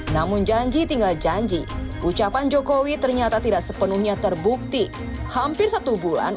namun janji tinggal janji ucapan jokowi ternyata tidak sepenuhnya terbukti hampir satu bulan